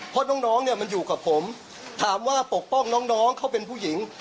เพราะน้องเนี่ยมันอยู่กับผมถามว่าปกป้องน้องเขาเป็นผู้หญิง